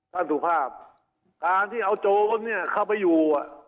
ต้านถูกภาพการที่เอาโจรเข้าไปอยู่